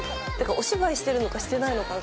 お芝居してるのかしてないのかが。